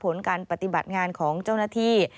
ผลการปฏิบัติงานของเจ้าหน้าที่